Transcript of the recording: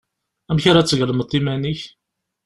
Amek ara d-tgelmeḍ iman-ik?